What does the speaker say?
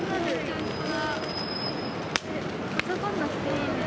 かさばらなくていいね。